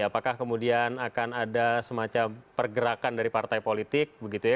apakah kemudian akan ada semacam pergerakan dari partai politik begitu ya